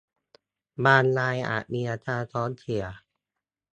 บางรายอาจมีอาการท้องเสีย